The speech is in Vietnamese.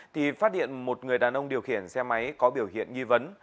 thì phát hiện một người đàn ông điều khiển xe máy có biểu hiện nghi vấn